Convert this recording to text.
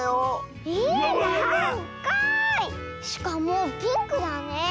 しかもピンクだねえ。